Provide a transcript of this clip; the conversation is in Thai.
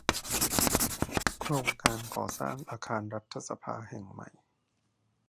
โครงการก่อสร้างอาคารรัฐสภาแห่งใหม่